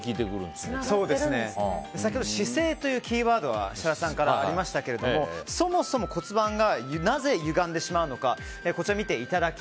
姿勢というキーワードが先ほど設楽さんからありましたがそもそも、骨盤がなぜゆがんでしまうのか。